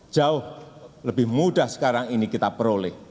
jauh lebih mudah sekarang ini kita peroleh